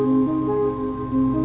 tidak ada yang tahu